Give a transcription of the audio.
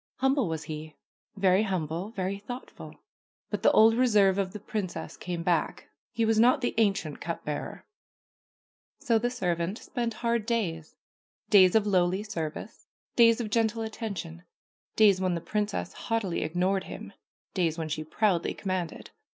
Humble was he, very humble, very thoughtful. But the THE PRINCESS AND THE CUP BEARER 55 old reserve of the princess came back; he was not the ancient cup bearer. So the servant spent hard days, days of lowly service, days of gentle attention, days when the princess haughtily ignored him, days when she proudly commanded.